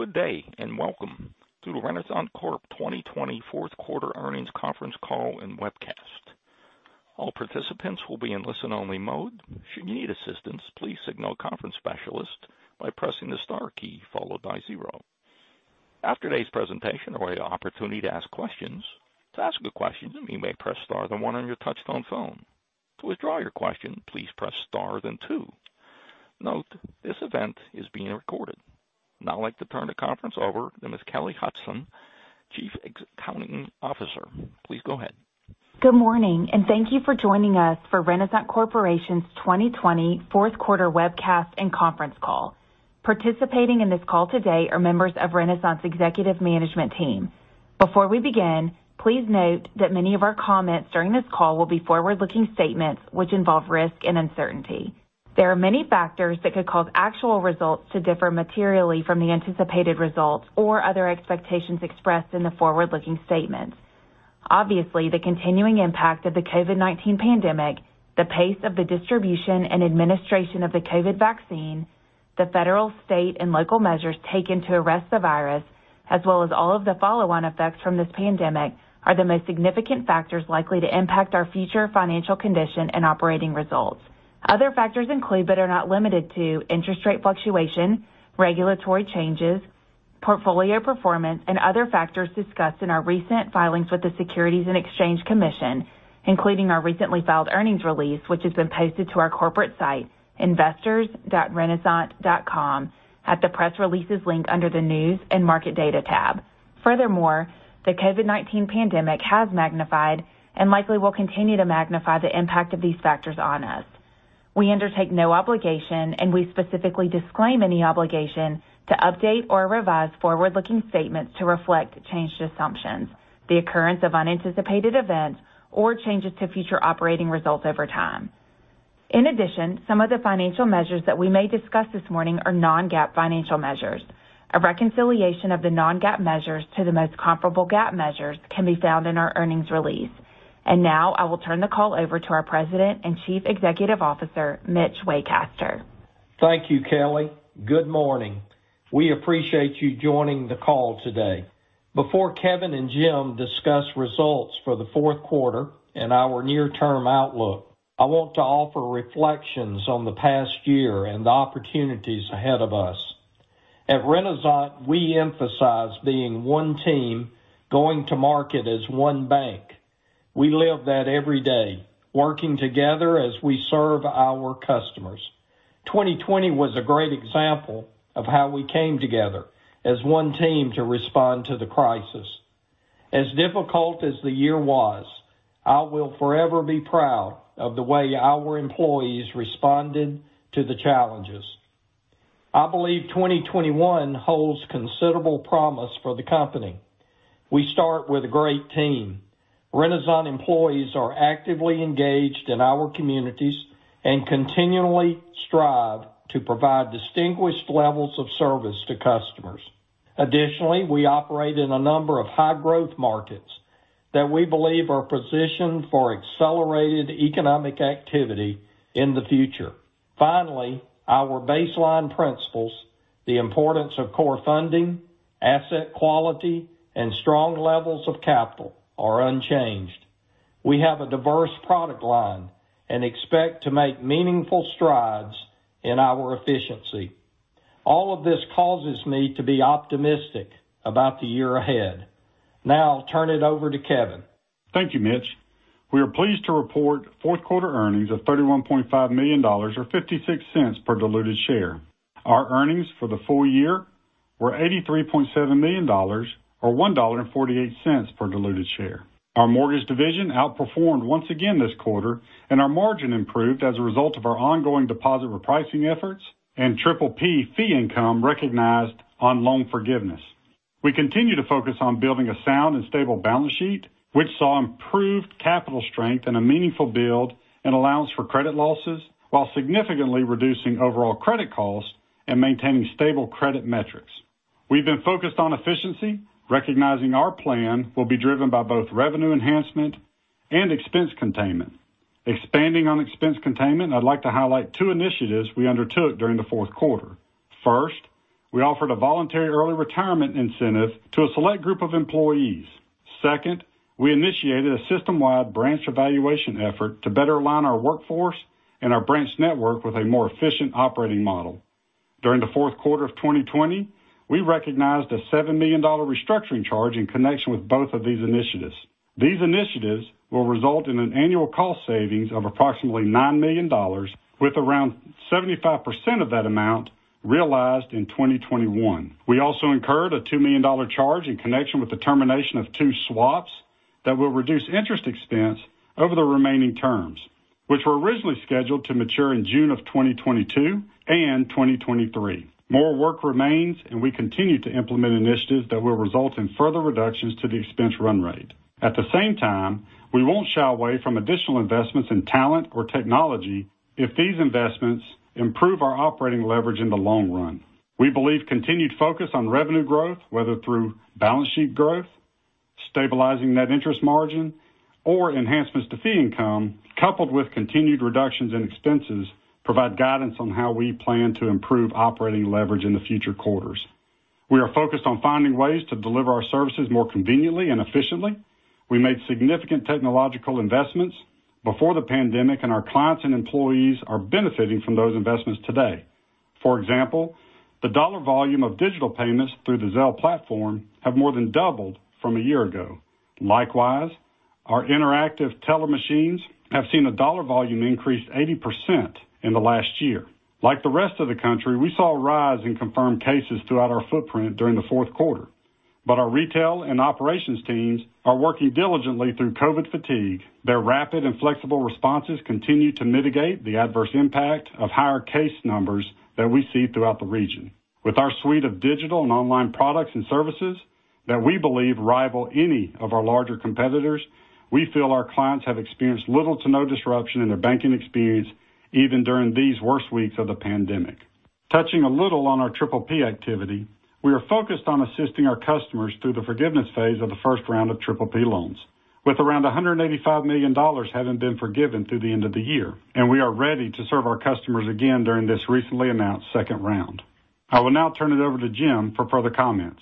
Good day, and welcome to the Renasant Corp. 2020 Q4 earnings conference call and webcast. Now I'd like to turn the conference over to Ms. Kelly Hutcheson, Chief Accounting Officer. Please go ahead. Good morning, and thank you for joining us for Renasant Corporation's 2020 Q4 webcast and conference call. Participating in this call today are members of Renasant's executive management team. Before we begin, please note that many of our comments during this call will be forward-looking statements which involve risk and uncertainty. There are many factors that could cause actual results to differ materially from the anticipated results or other expectations expressed in the forward-looking statements. Obviously, the continuing impact of the COVID-19 pandemic, the pace of the distribution and administration of the COVID vaccine, the federal, state, and local measures taken to arrest the virus, as well as all of the follow-on effects from this pandemic, are the most significant factors likely to impact our future financial condition and operating results. Other factors include, but are not limited to, interest rate fluctuation, regulatory changes, portfolio performance, and other factors discussed in our recent filings with the Securities and Exchange Commission, including our recently filed earnings release, which has been posted to our corporate site, investors.renasant.com, at the Press Releases link under the News and Market Data tab. Furthermore, the COVID-19 pandemic has magnified and likely will continue to magnify the impact of these factors on us. We undertake no obligation, and we specifically disclaim any obligation, to update or revise forward-looking statements to reflect changed assumptions, the occurrence of unanticipated events, or changes to future operating results over time. In addition, some of the financial measures that we may discuss this morning are non-GAAP financial measures. A reconciliation of the non-GAAP measures to the most comparable GAAP measures can be found in our earnings release. Now, I will turn the call over to our President and Chief Executive Officer, Mitch Waycaster. Thank you, Kelly. Good morning. We appreciate you joining the call today. Before Kevin and Jim discuss results for the Q4 and our near-term outlook, I want to offer reflections on the past year and the opportunities ahead of us. At Renasant, we emphasize being one team going to market as one bank. We live that every day, working together as we serve our customers. 2020 was a great example of how we came together as one team to respond to the crisis. As difficult as the year was, I will forever be proud of the way our employees responded to the challenges. I believe 2021 holds considerable promise for the company. We start with a great team. Renasant employees are actively engaged in our communities and continually strive to provide distinguished levels of service to customers. Additionally, we operate in a number of high-growth markets that we believe are positioned for accelerated economic activity in the future. Finally, our baseline principles, the importance of core funding, asset quality, and strong levels of capital, are unchanged. We have a diverse product line and expect to make meaningful strides in our efficiency. All of this causes me to be optimistic about the year ahead. Now I'll turn it over to Kevin. Thank you, Mitch. We are pleased to report Q4 earnings of $31.5 million, or $0.56 per diluted share. Our earnings for the full year were $83.7 million, or $1.48 per diluted share. Our mortgage division outperformed once again this quarter, and our margin improved as a result of our ongoing deposit repricing efforts and PPP fee income recognized on loan forgiveness. We continue to focus on building a sound and stable balance sheet, which saw improved capital strength and a meaningful build in allowance for credit losses, while significantly reducing overall credit costs and maintaining stable credit metrics. We've been focused on efficiency, recognizing our plan will be driven by both revenue enhancement and expense containment. Expanding on expense containment, I'd like to highlight two initiatives we undertook during the Q4. First, we offered a voluntary early retirement incentive to a select group of employees. We initiated a system-wide branch evaluation effort to better align our workforce and our branch network with a more efficient operating model. During the Q4 of 2020, we recognized a $7 million restructuring charge in connection with both of these initiatives. These initiatives will result in an annual cost savings of approximately $9 million, with around 75% of that amount realized in 2021. We also incurred a $2 million charge in connection with the termination of two swaps that will reduce interest expense over the remaining terms, which were originally scheduled to mature in June of 2022 and 2023. More work remains. We continue to implement initiatives that will result in further reductions to the expense run rate. At the same time, we won't shy away from additional investments in talent or technology if these investments improve our operating leverage in the long run. We believe continued focus on revenue growth, whether through balance sheet growth, stabilizing net interest margin or enhancements to fee income, coupled with continued reductions in expenses, provide guidance on how we plan to improve operating leverage in the future quarters. We are focused on finding ways to deliver our services more conveniently and efficiently. We made significant technological investments before the pandemic, and our clients and employees are benefiting from those investments today. For example, the dollar volume of digital payments through the Zelle platform have more than doubled from a year ago. Likewise, our interactive teller machines have seen the dollar volume increase 80% in the last year. Like the rest of the country, we saw a rise in confirmed cases throughout our footprint during the Q4, but our retail and operations teams are working diligently through COVID fatigue. Their rapid and flexible responses continue to mitigate the adverse impact of higher case numbers that we see throughout the region. With our suite of digital and online products and services that we believe rival any of our larger competitors, we feel our clients have experienced little to no disruption in their banking experience, even during these worst weeks of the Pandemic. Touching a little on our PPP activity, we are focused on assisting our customers through the forgiveness phase of the first round of PPP loans, with around $185 million having been forgiven through the end of the year, and we are ready to serve our customers again during this recently announced second round. I will now turn it over to Jim for further comments.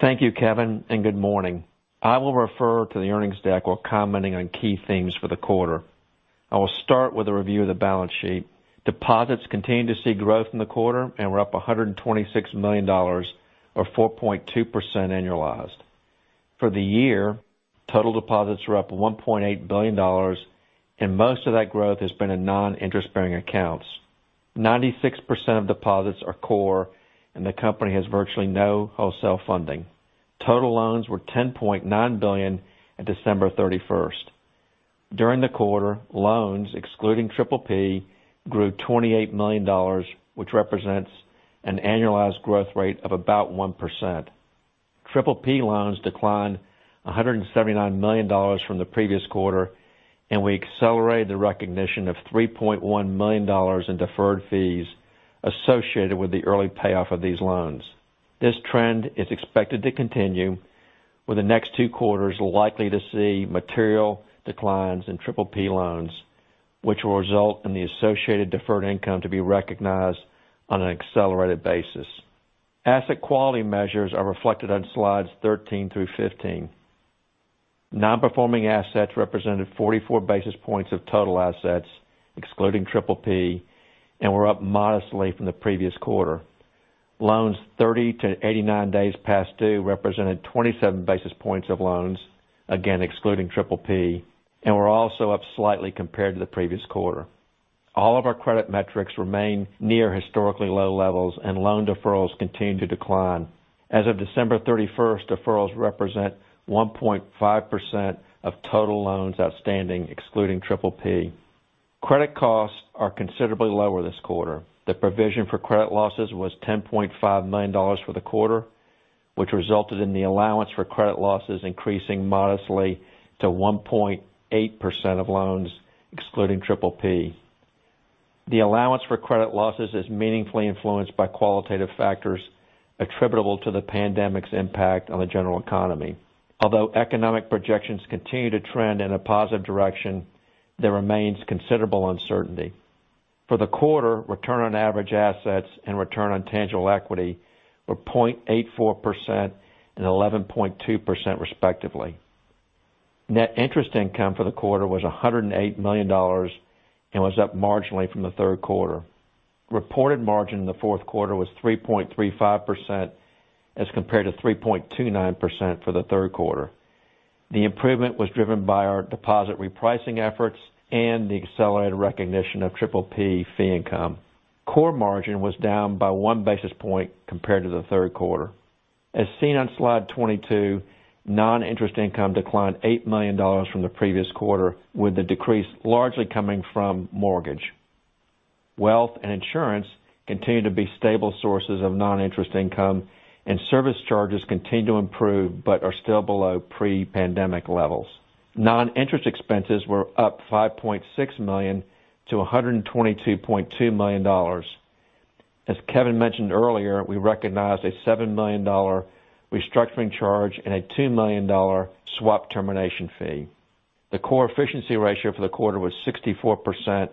Thank you, Kevin, and good morning. I will refer to the earnings deck while commenting on key themes for the quarter. I will start with a review of the balance sheet. Deposits continued to see growth in the quarter, and we're up $126 million, or 4.2% annualized. For the year, total deposits were up $1.8 billion, and most of that growth has been in non-interest-bearing accounts. 96% of deposits are core, and the company has virtually no wholesale funding. Total loans were $10.9 billion at December 31st. During the quarter, loans, excluding PPP, grew $28 million, which represents an annualized growth rate of about 1%. PPP loans declined $179 million from the previous quarter, and we accelerated the recognition of $3.1 million in deferred fees associated with the early payoff of these loans. This trend is expected to continue, with the next two quarters likely to see material declines in PPP loans, which will result in the associated deferred income to be recognized on an accelerated basis. Asset quality measures are reflected on slides 13 through 15. Non-performing assets represented 44 basis points of total assets, excluding PPP, and were up modestly from the previous quarter. Loans 30 to 89 days past due represented 27 basis points of loans, again, excluding PPP, and were also up slightly compared to the previous quarter. All of our credit metrics remain near historically low levels, and loan deferrals continue to decline. As of December 31st, deferrals represent 1.5% of total loans outstanding, excluding PPP. Credit costs are considerably lower this quarter. The provision for credit losses was $10.5 million for the quarter, which resulted in the allowance for credit losses increasing modestly to 1.8% of loans, excluding PPP. The allowance for credit losses is meaningfully influenced by qualitative factors attributable to the pandemic's impact on the general economy. Although economic projections continue to trend in a positive direction, there remains considerable uncertainty. For the quarter, return on average assets and return on tangible equity were 0.84% and 11.2%, respectively. Net interest income for the quarter was $108 million and was up marginally from the Q3. Reported margin in the Q4 was 3.35% as compared to 3.29% for the Q3. The improvement was driven by our deposit repricing efforts and the accelerated recognition of PPP fee income. Core margin was down by one basis point compared to the Q3. As seen on slide 22, non-interest income declined $8 million from the previous quarter, with the decrease largely coming from mortgage. Wealth and insurance continue to be stable sources of non-interest income, and service charges continue to improve, but are still below pre-pandemic levels. Non-interest expenses were up $5.6 million-$122.2 million. As Kevin mentioned earlier, we recognized a $7 million restructuring charge and a $2 million swap termination fee. The core efficiency ratio for the quarter was 64%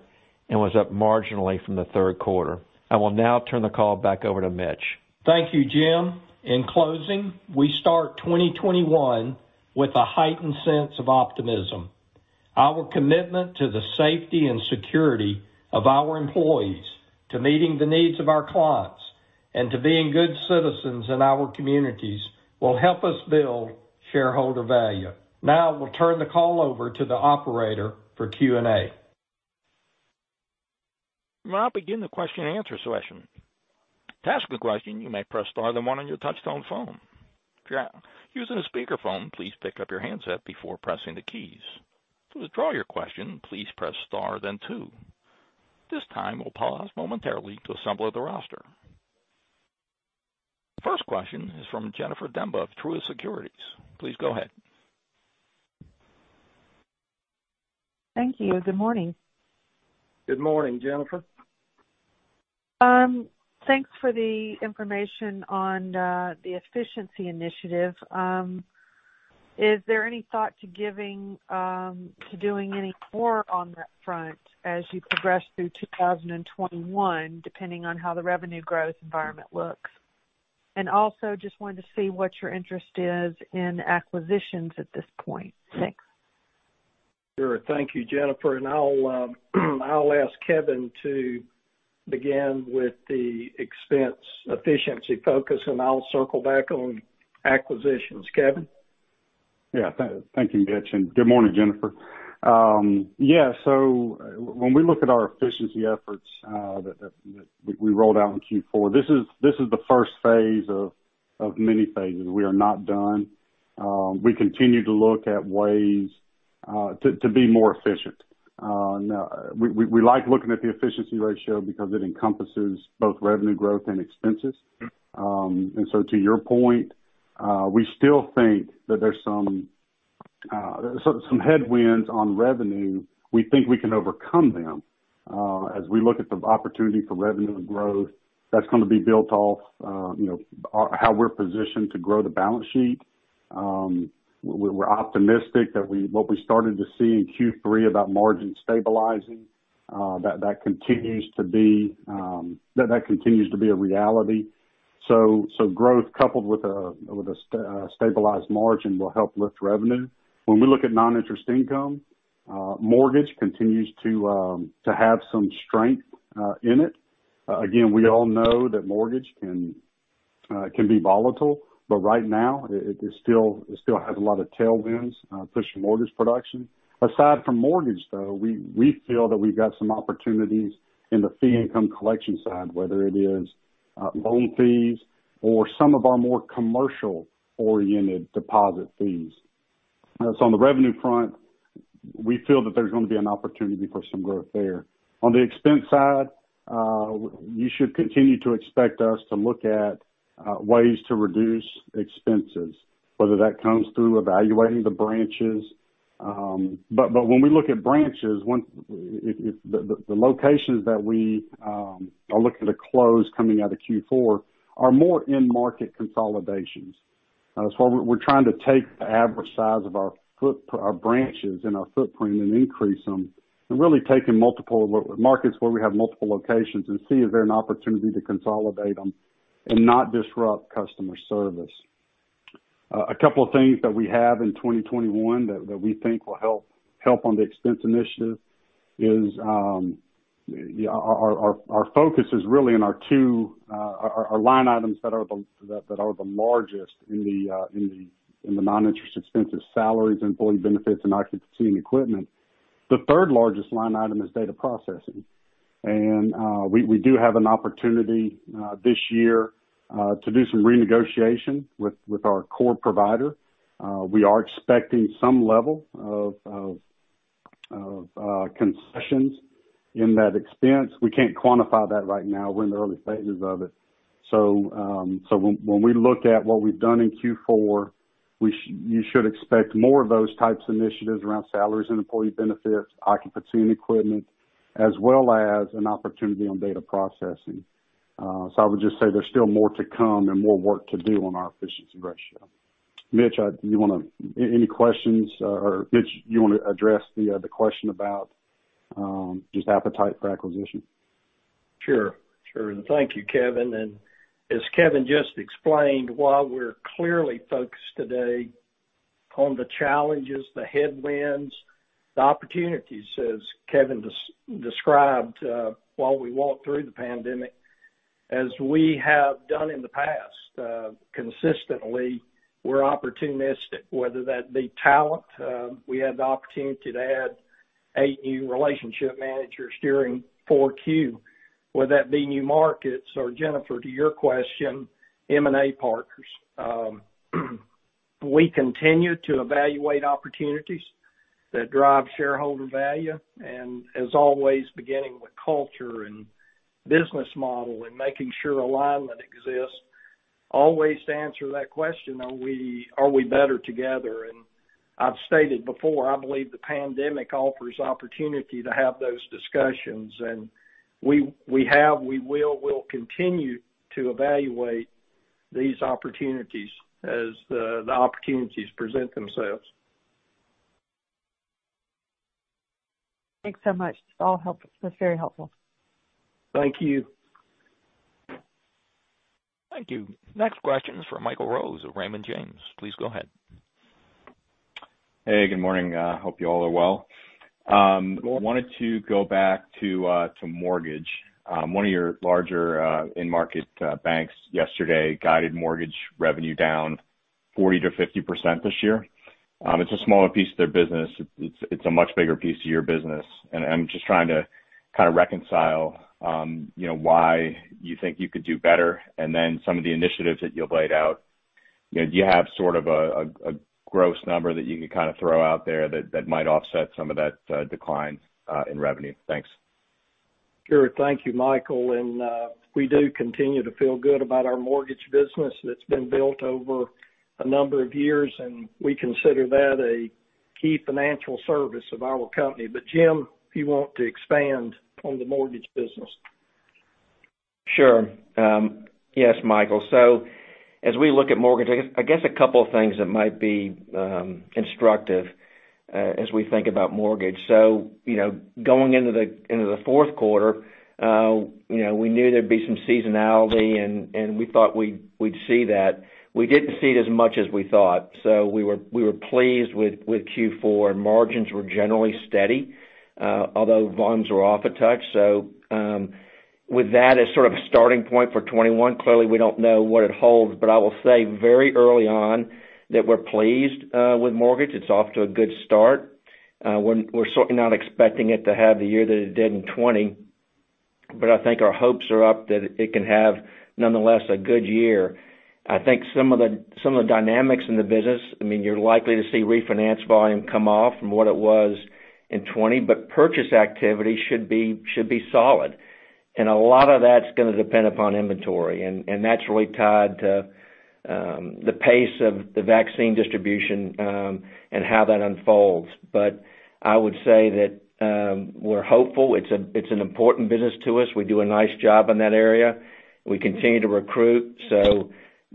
and was up marginally from the Q3. I will now turn the call back over to Mitch. Thank you, Jim. In closing, we start 2021 with a heightened sense of optimism. Our commitment to the safety and security of our employees, to meeting the needs of our clients, and to being good citizens in our communities will help us build shareholder value. Now, we'll turn the call over to the operator for Q&A. We'll now begin the question and answer session. To ask a question, you may press star, then one on your touchtone phone. If you're using a speakerphone, please pick up your handset before pressing the keys. To withdraw your question, please press star, then two. This time, we'll pause momentarily to assemble the roster. First question is from Jennifer Demba of Truist Securities. Please go ahead. Thank you. Good morning. Good morning, Jennifer. Thanks for the information on the efficiency initiative. Is there any thought to doing any more on that front as you progress through 2021, depending on how the revenue growth environment looks? Also, just wanted to see what your interest is in acquisitions at this point. Thanks. Sure. Thank you, Jennifer, and I'll ask Kevin to begin with the expense efficiency focus, and I'll circle back on acquisitions. Kevin? Thank you, Mitch, good morning, Jennifer. When we look at our efficiency efforts that we rolled out in Q4, this is the first phase of many phases. We are not done. We continue to look at ways to be more efficient. We like looking at the efficiency ratio because it encompasses both revenue growth and expenses. To your point, we still think that there's some headwinds on revenue. We think we can overcome them as we look at the opportunity for revenue growth that's going to be built off how we're positioned to grow the balance sheet. We're optimistic that what we started to see in Q3 about margin stabilizing, that continues to be a reality. Growth coupled with a stabilized margin will help lift revenue. When we look at non-interest income, mortgage continues to have some strength in it. We all know that mortgage can be volatile, but right now, it still has a lot of tailwinds, especially mortgage production. Aside from mortgage, though, we feel that we've got some opportunities in the fee income collection side, whether it is loan fees or some of our more commercial-oriented deposit fees. On the revenue front, we feel that there's going to be an opportunity for some growth there. On the expense side, you should continue to expect us to look at ways to reduce expenses, whether that comes through evaluating the branches. When we look at branches, the locations that we are looking to close coming out of Q4 are more in-market consolidations. We're trying to take the average size of our branches and our footprint and increase them, and really take in markets where we have multiple locations and see if there's an opportunity to consolidate them and not disrupt customer service. A couple of things that we have in 2021 that we think will help on the expense initiative is, our focus is really in our line items that are the largest in the non-interest expenses, salaries, employee benefits, and occupancy and equipment. The third largest line item is data processing. And we do have an opportunity this year to do some renegotiation with our core provider. We are expecting some level of concessions in that expense. We can't quantify that right now. We're in the early stages of it. When we look at what we've done in Q4, you should expect more of those types of initiatives around salaries and employee benefits, occupancy and equipment, as well as an opportunity on data processing. I would just say there's still more to come and more work to do on our efficiency ratio. Mitch, any questions, or Mitch, you want to address the question about just appetite for acquisition? Sure. Thank you, Kevin. As Kevin just explained, while we're clearly focused today on the challenges, the headwinds, the opportunities, as Kevin described while we walked through the pandemic, as we have done in the past consistently, we're opportunistic, whether that be talent. We had the opportunity to add eight new relationship managers during Q4. Whether that be new markets or Jennifer, to your question, M&A partners. We continue to evaluate opportunities that drive shareholder value and as always, beginning with culture and business model and making sure alignment exists. Always to answer that question, are we better together? I've stated before, I believe the pandemic offers opportunity to have those discussions, and we have, we will, we'll continue to evaluate these opportunities as the opportunities present themselves. Thanks so much. That's very helpful. Thank you. Thank you. Next question is from Michael Rose of Raymond James. Please go ahead. Hey, good morning. Hope you all are well. Wanted to go back to mortgage. One of your larger in-market banks yesterday guided mortgage revenue down 40%-50% this year. It's a smaller piece of their business. It's a much bigger piece of your business. I'm just trying to kind of reconcile why you think you could do better, some of the initiatives that you laid out. Do you have sort of a gross number that you could kind of throw out there that might offset some of that decline in revenue? Thanks. Sure. Thank you, Michael, and we do continue to feel good about our mortgage business that's been built over a number of years, and we consider that a key financial service of our company. Jim, if you want to expand on the mortgage business. Sure. Yes, Michael. As we look at mortgage, I guess a couple of things that might be instructive as we think about mortgage. Going into the Q4, we knew there'd be some seasonality, and we thought we'd see that. We didn't see it as much as we thought. We were pleased with Q4. Margins were generally steady, although volumes were off a touch. With that as sort of a starting point for 2021, clearly, we don't know what it holds, but I will say very early on that we're pleased with mortgage. It's off to a good start. We're certainly not expecting it to have the year that it did in 2020, but I think our hopes are up that it can have, nonetheless, a good year. I think some of the dynamics in the business, you're likely to see refinance volume come off from what it was in 2020, but purchase activity should be solid. A lot of that's going to depend upon inventory, and that's really tied to the pace of the vaccine distribution and how that unfolds. I would say that we're hopeful. It's an important business to us. We do a nice job in that area. We continue to recruit.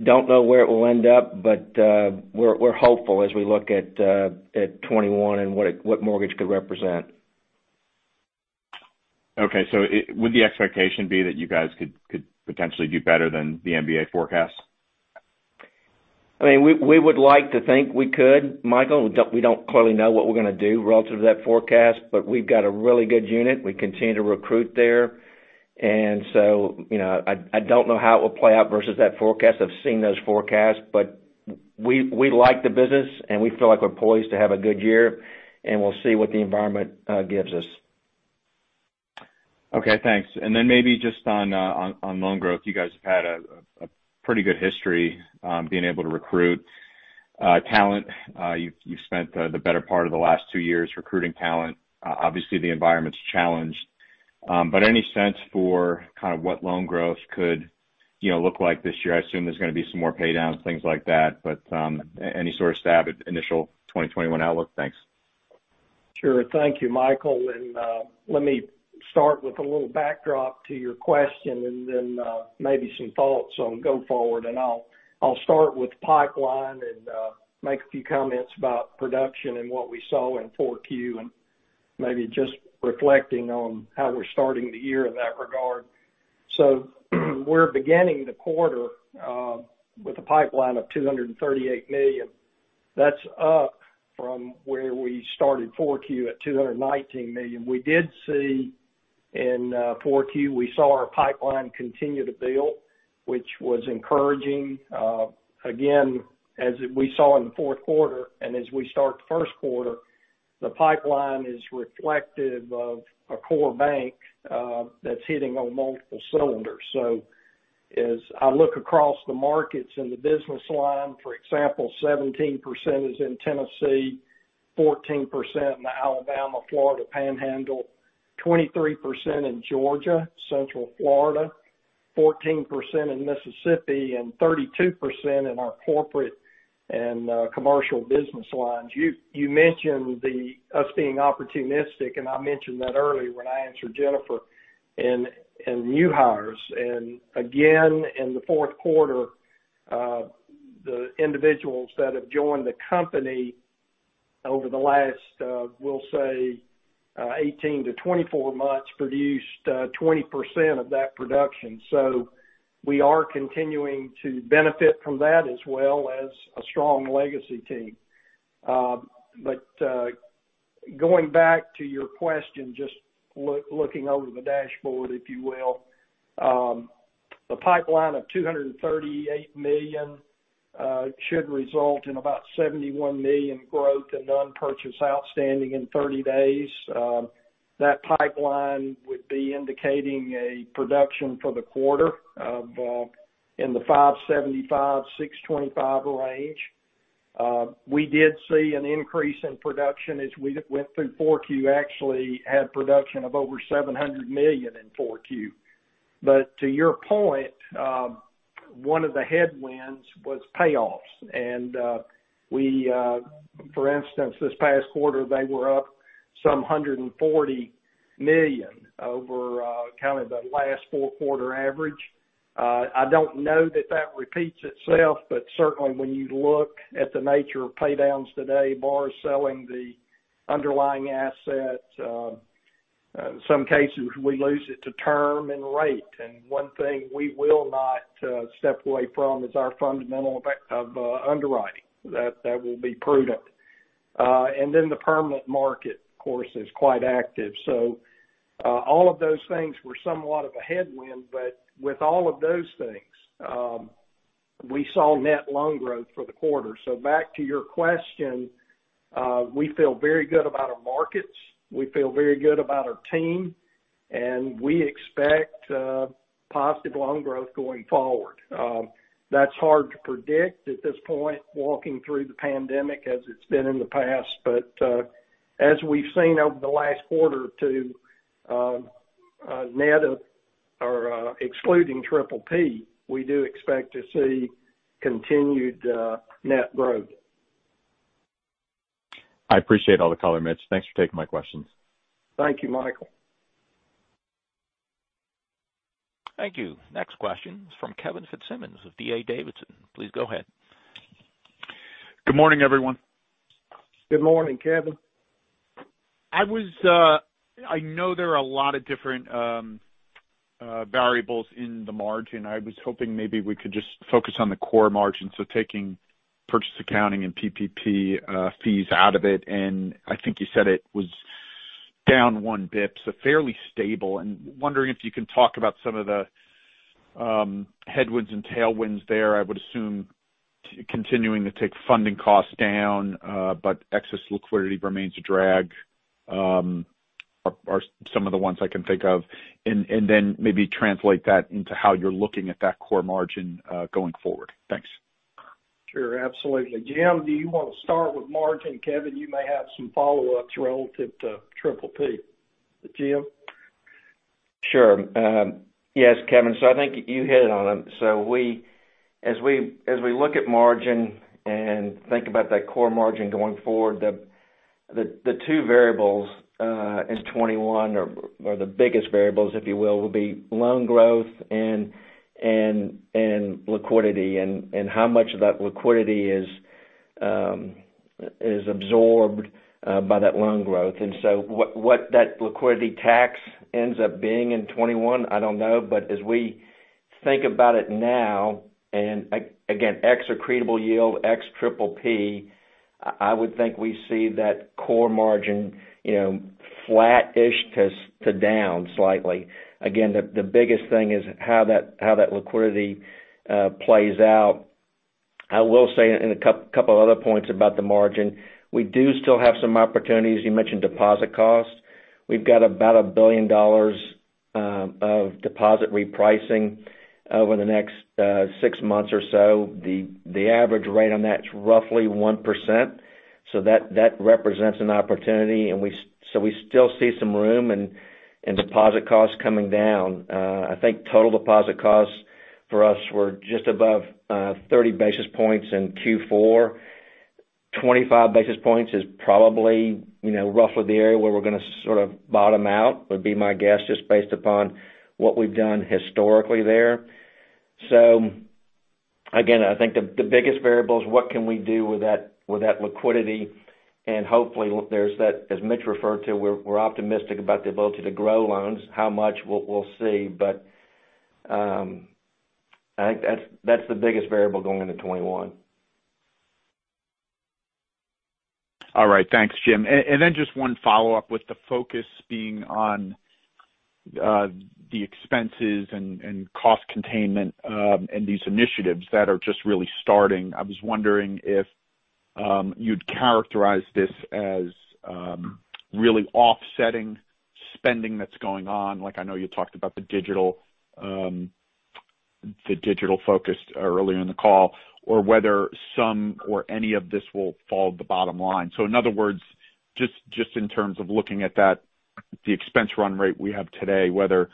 Don't know where it will end up, but we're hopeful as we look at 2021 and what mortgage could represent. Okay, would the expectation be that you guys could potentially do better than the MBA forecast? We would like to think we could, Michael. We don't clearly know what we're going to do relative to that forecast, but we've got a really good unit. We continue to recruit there. I don't know how it will play out versus that forecast. I've seen those forecasts, but we like the business, and we feel like we're poised to have a good year, and we'll see what the environment gives us. Okay, thanks. Maybe just on loan growth, you guys have had a pretty good history being able to recruit talent. You've spent the better part of the last two years recruiting talent. Obviously, the environment's challenged. Any sense for kind of what loan growth could look like this year? I assume there's going to be some more pay downs, things like that. Any sort of stab at initial 2021 outlook? Thanks. Sure. Thank you, Michael. Let me start with a little backdrop to your question and then maybe some thoughts on go forward. I'll start with pipeline and make a few comments about production and what we saw in Q4, and maybe just reflecting on how we're starting the year in that regard. We're beginning the quarter with a pipeline of $238 million. That's up from where we started Q4 at $219 million. We did see in Q4, we saw our pipeline continue to build, which was encouraging. Again, as we saw in the Q4, and as we start the Q1, the pipeline is reflective of a core bank that's hitting on multiple cylinders. As I look across the markets and the business line, for example, 17% is in Tennessee, 14% in the Alabama/Florida Panhandle, 23% in Georgia, Central Florida, 14% in Mississippi, and 32% in our corporate and commercial business lines. You mentioned us being opportunistic, and I mentioned that earlier when I answered Jennifer in new hires. Again, in the Q4, the individuals that have joined the company over the last, we'll say, 18 to 24 months produced 20% of that production. We are continuing to benefit from that as well as a strong legacy team. Going back to your question, just looking over the dashboard, if you will. The pipeline of $238 million should result in about $71 million growth in non-purchase outstanding in 30 days. That pipeline would be indicating a production for the quarter in the $575-$625 range. We did see an increase in production as we went through Q4, actually had production of over $700 million in Q4. To your point, one of the headwinds was payoffs, and for instance, this past quarter, they were up $140 million over kind of the last four quarter average. I don't know that that repeats itself, but certainly when you look at the nature of pay downs today, bars selling the underlying asset, in some cases, we lose it to term and rate. One thing we will not step away from is our fundamental of underwriting. That will be prudent. Then the permanent market, of course, is quite active. All of those things were somewhat of a headwind, but with all of those things, we saw net loan growth for the quarter. Back to your question, we feel very good about our markets. We feel very good about our team, and we expect positive loan growth going forward. That's hard to predict at this point, walking through the pandemic as it's been in the past, but as we've seen over the last quarter or two, excluding PPP, we do expect to see continued net growth. I appreciate all the color, Mitch. Thanks for taking my questions. Thank you, Michael. Thank you. Next question is from Kevin Fitzsimmons of D.A. Davidson. Please go ahead. Good morning, everyone. Good morning, Kevin. I know there are a lot of different variables in the margin. I was hoping maybe we could just focus on the core margin, so taking purchase accounting and PPP fees out of it, and I think you said it was down one basis point, so fairly stable, and wondering if you can talk about some of the headwinds and tailwinds there. I would assume continuing to tick funding costs down, but excess liquidity remains a drag, are some of the ones I can think of. Maybe translate that into how you're looking at that core margin going forward. Thanks. Sure. Absolutely. Jim, do you want to start with margin? Kevin, you may have some follow-ups relative to PPP. Jim? Sure. Yes, Kevin. I think you hit it on. As we look at margin and think about that core margin going forward, the two variables as 2021, or the biggest variables, if you will be loan growth and liquidity, and how much of that liquidity is absorbed by that loan growth. What that liquidity tax ends up being in 2021, I don't know. As we think about it now, and again, ex-accretable yield, ex-PPP, I would think we see that core margin flat-ish to down slightly. Again, the biggest thing is how that liquidity plays out. I will say, and a couple other points about the margin, we do still have some opportunities. You mentioned deposit costs. We've got about $1 billion of deposit repricing over the next six months or so. The average rate on that's roughly 1%. That represents an opportunity. We still see some room in deposit costs coming down. I think total deposit costs for us were just above 30 basis points in Q4. 25 basis points is probably roughly the area where we're going to sort of bottom out, would be my guess, just based upon what we've done historically there. Again, I think the biggest variable is what can we do with that liquidity, and hopefully there's that, as Mitch referred to, we're optimistic about the ability to grow loans. How much, we'll see. I think that's the biggest variable going into 2021. All right. Thanks, Jim. Just one follow-up with the focus being on the expenses and cost containment, and these initiatives that are just really starting. I was wondering if you'd characterize this as really offsetting spending that's going on. I know you talked about the digital focus earlier in the call, or whether some or any of this will fall at the bottom line. In other words, just in terms of looking at that, the expense run rate we have today, whether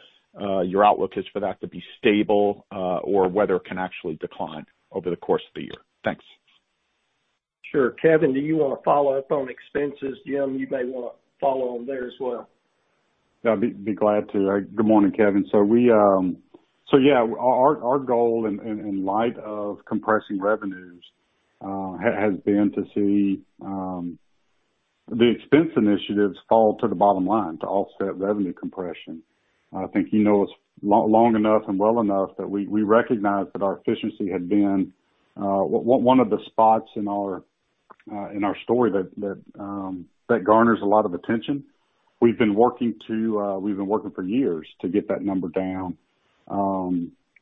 your outlook is for that to be stable or whether it can actually decline over the course of the year. Thanks. Sure. Kevin, do you want to follow up on expenses? Jim, you may want to follow on there as well. I'd be glad to. Good morning, Kevin. Yeah, our goal in light of compressing revenues, has been to see the expense initiatives fall to the bottom line to offset revenue compression. I think you know us long enough and well enough that we recognize that our efficiency had been one of the spots in our story that garners a lot of attention. We've been working for years to get that number down.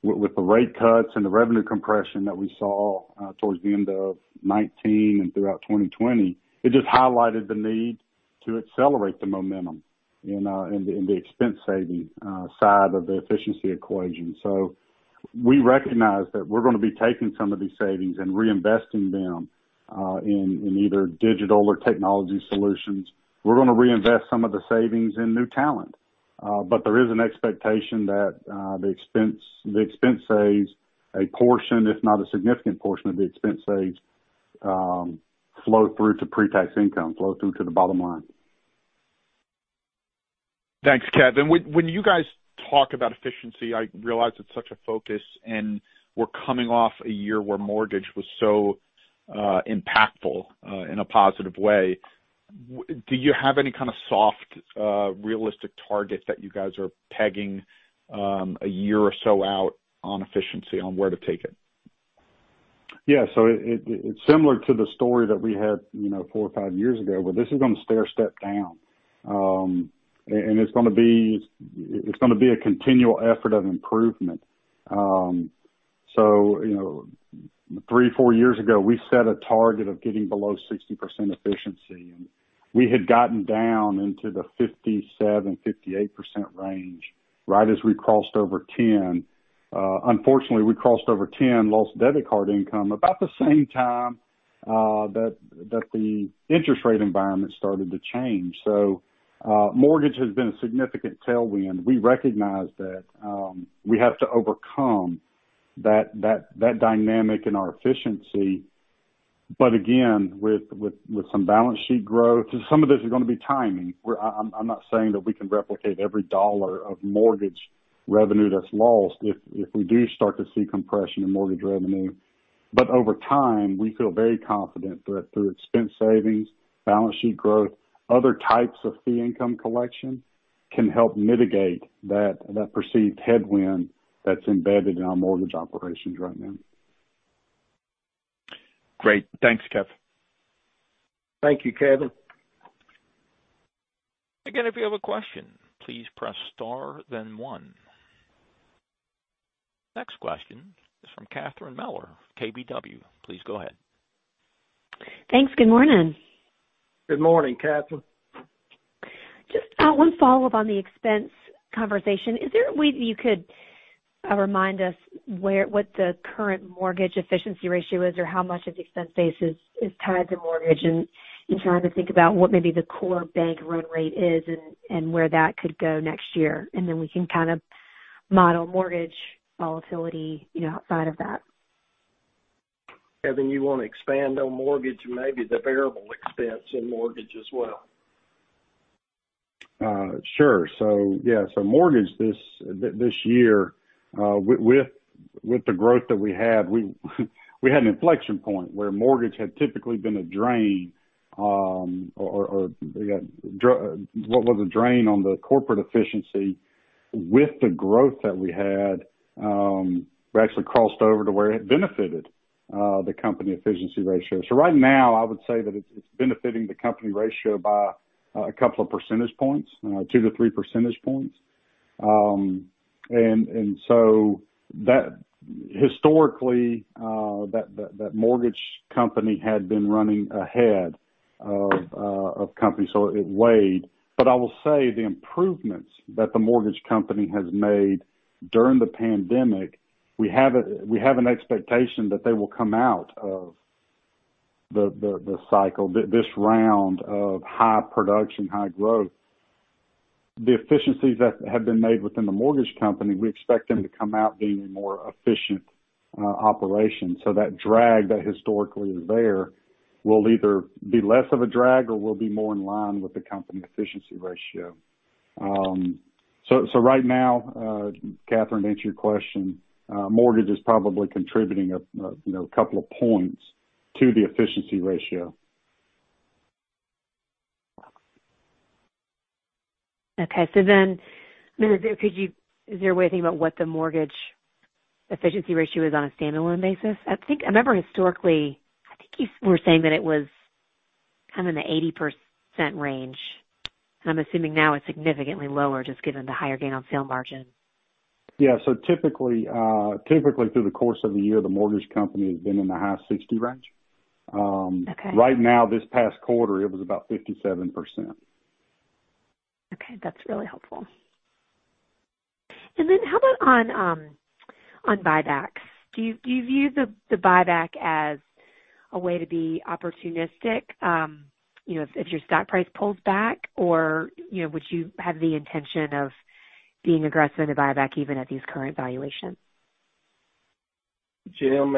With the rate cuts and the revenue compression that we saw towards the end of 2019 and throughout 2020, it just highlighted the need to accelerate the momentum in the expense saving side of the efficiency equation. We recognize that we're going to be taking some of these savings and reinvesting them, in either digital or technology solutions. We're going to reinvest some of the savings in new talent. There is an expectation that the expense saves, a portion, if not a significant portion of the expense saves, flow through to pre-tax income, flow through to the bottom line. Thanks, Kevin. You guys talk about efficiency, I realize it's such a focus, and we're coming off a year where mortgage was so impactful in a positive way. Do you have any kind of soft, realistic targets that you guys are pegging a year or so out on efficiency on where to take it? Yeah. It's similar to the story that we had four or five years ago, where this is going to stair-step down. It's going to be a continual effort of improvement. Three, four years ago, we set a target of getting below 60% efficiency, and we had gotten down into the 57%, 58% range right as we crossed over 10. Unfortunately, we crossed over 10, lost debit card income about the same time that the interest rate environment started to change. Mortgage has been a significant tailwind. We recognize that we have to overcome that dynamic in our efficiency. Again, with some balance sheet growth, some of this is going to be timing, I'm not saying that we can replicate every dollar of mortgage revenue that's lost if we do start to see compression in mortgage revenue. Over time, we feel very confident that through expense savings, balance sheet growth, other types of fee income collection can help mitigate that perceived headwind that's embedded in our mortgage operations right now. Great. Thanks, Kevin. Thank you, Kevin. Again, if you have a question, please press star then one. Next question is from Catherine Mealor of KBW. Please go ahead. Thanks. Good morning. Good morning, Catherine. Just one follow-up on the expense conversation. Is there a way that you could remind us what the current mortgage efficiency ratio is, or how much of the expense base is tied to mortgage and trying to think about what maybe the core bank run rate is and where that could go next year, and then we can kind of model mortgage volatility outside of that. Kevin, you want to expand on mortgage and maybe the variable expense in mortgage as well? Sure. Mortgage this year, with the growth that we had, we had an inflection point where mortgage had typically been a drain on the corporate efficiency. With the growth that we had, we actually crossed over to where it benefited the company efficiency ratio. Right now, I would say that it's benefiting the company ratio by a couple of percentage points, 2-3 percentage points. Historically, that mortgage company had been running ahead of companies, so it weighed. I will say the improvements that the mortgage company has made during the pandemic, we have an expectation that they will come out of the cycle, this round of high production, high growth. The efficiencies that have been made within the mortgage company, we expect them to come out being a more efficient operation. That drag that historically is there will either be less of a drag or will be more in line with the company efficiency ratio. Right now, Catherine, to answer your question, mortgage is probably contributing a couple of points to the efficiency ratio. Is there a way to think about what the mortgage efficiency ratio is on a standalone basis? I remember historically, I think you were saying that it was kind of in the 80% range. I'm assuming now it's significantly lower just given the higher gain on sale margin. Yeah. Typically, through the course of the year, the mortgage company has been in the high 60 range. Okay. Right now, this past quarter, it was about 57%. Okay. That's really helpful. Then how about on buybacks? Do you view the buyback as a way to be opportunistic if your stock price pulls back? Or would you have the intention of being aggressive in a buyback even at these current valuations? Jim,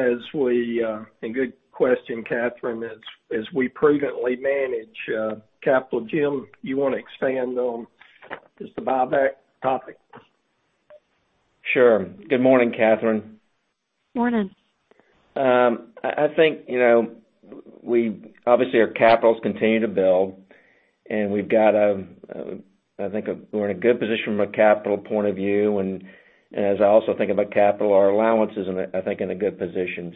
good question, Catherine, as we prudently manage capital. Jim, you want to expand on just the buyback topic? Sure. Good morning, Catherine. Morning. Our capitals continue to build, and we're in a good position from a capital point of view. As I also think about capital, our allowance is, I think, in a good position.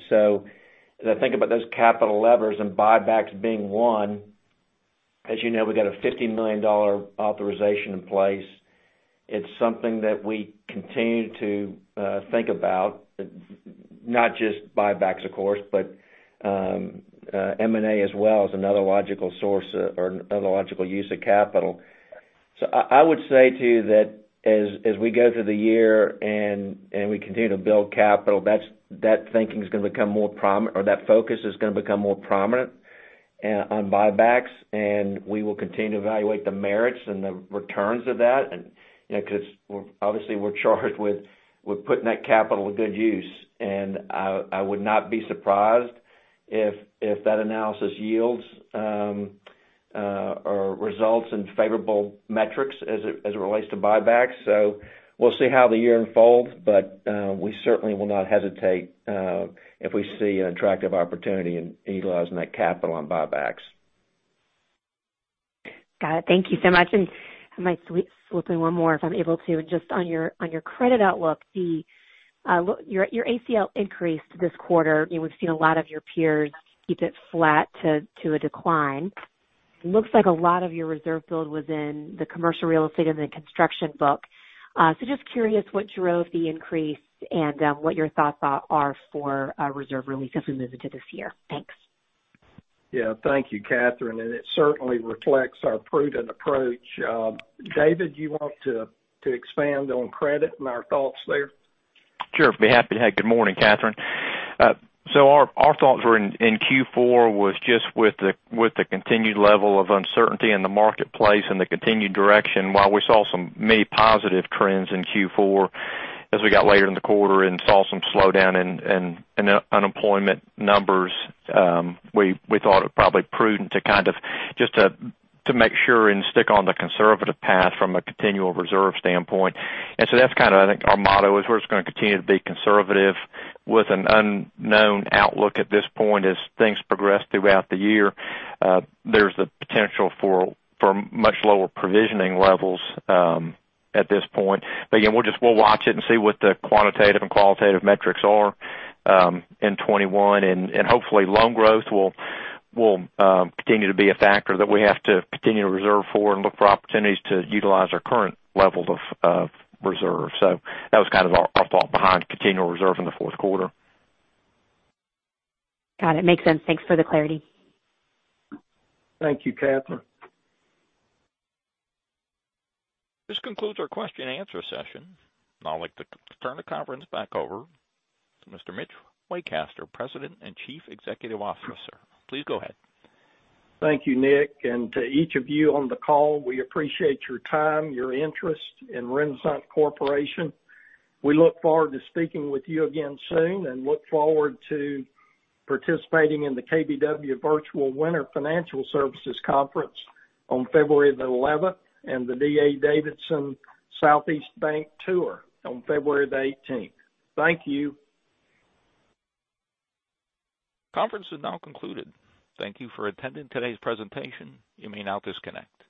As I think about those capital levers and buybacks being one, as you know, we've got a $50 million authorization in place. It's something that we continue to think about, not just buybacks, of course, but M&A as well is another logical use of capital. I would say, too, that as we go through the year and we continue to build capital, that focus is going to become more prominent on buybacks, and we will continue to evaluate the merits and the returns of that because obviously we're charged with putting that capital to good use. I would not be surprised if that analysis yields or results in favorable metrics as it relates to buybacks. We'll see how the year unfolds, but we certainly will not hesitate if we see an attractive opportunity in utilizing that capital on buybacks. Got it. Thank you so much. I might slip in one more if I'm able to. Just on your credit outlook, your ACL increased this quarter. We've seen a lot of your peers keep it flat to a decline. It looks like a lot of your reserve build was in the commercial real estate and the construction book. Just curious what drove the increase and what your thoughts are for reserve release as we move into this year. Thanks. Yeah. Thank you, Catherine, and it certainly reflects our prudent approach. David, you want to expand on credit and our thoughts there? Sure, I'd be happy to. Good morning, Catherine. Our thoughts were in Q4 was just with the continued level of uncertainty in the marketplace and the continued direction, while we saw some many positive trends in Q4 as we got later in the quarter and saw some slowdown in unemployment numbers, we thought it probably prudent to just to make sure and stick on the conservative path from a continual reserve standpoint. That's kind of, I think, our motto is we're just going to continue to be conservative with an unknown outlook at this point as things progress throughout the year. There's the potential for much lower provisioning levels at this point. Again, we'll watch it and see what the quantitative and qualitative metrics are in 2021, and hopefully loan growth will continue to be a factor that we have to continue to reserve for and look for opportunities to utilize our current levels of reserves. That was kind of our thought behind continual reserve in the Q4. Got it. Makes sense. Thanks for the clarity. Thank you, Catherine. This concludes our question and answer session. Now I'd like to turn the conference back over to Mr. Mitch Waycaster, President and Chief Executive Officer. Please go ahead. Thank you, Nick. To each of you on the call, we appreciate your time, your interest in Renasant Corporation. We look forward to speaking with you again soon and look forward to participating in the KBW Virtual Winter Financial Services Symposium on February the 11th and the D.A. Davidson Southeast Bank Tour on February the 18th. Thank you. Conference is now concluded. Thank you for attending today's presentation. You may now disconnect.